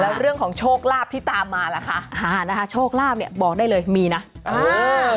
แล้วเรื่องของโชคลาภที่ตามมาล่ะค่ะอ่านะคะโชคลาภเนี่ยบอกได้เลยมีนะอ่า